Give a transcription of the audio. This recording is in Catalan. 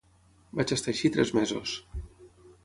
Vaig estar així tres mesos.